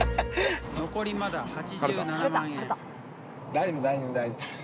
大丈夫大丈夫大丈夫。